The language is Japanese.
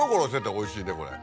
おいしいねこれ。